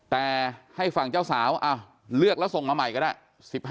แต่ให้ฝั่งเจ้าสาวเลือกแล้วส่งมาใหม่ก็ได้